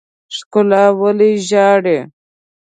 ښکلا ولې ژاړي.